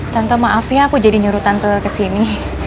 tante maaf ya aku jadi nyuruh tante kesini